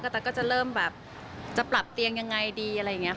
กระแตะก็จะเริ่มแบบจะปรับเตียงอย่างไรดีอะไรอย่างนี้